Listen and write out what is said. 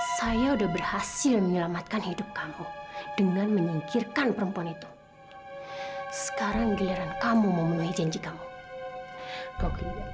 sampai jumpa di video selanjutnya